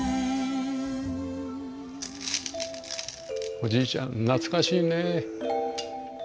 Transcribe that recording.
おじいちゃん懐かしいね。